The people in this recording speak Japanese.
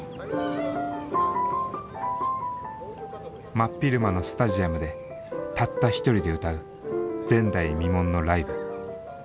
真っ昼間のスタジアムでたった１人で歌う前代未聞のライブ。